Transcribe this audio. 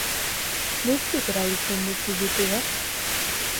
Noiztik erabiltzen duzu Youtube?